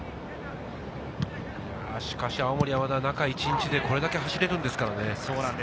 しかし青森山田、中１日でこれだけ走れるんですからね。